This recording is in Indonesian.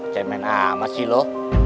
jemen amat sih lu